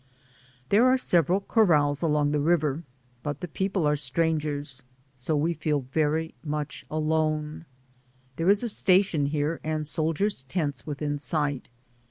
There are several corrals along the river, but the people are strangers, so we feel very much alone. There is a station here and soldiers' tents within sight.